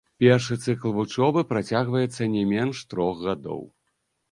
Першы цыкл вучобы працягваецца не менш трох гадоў.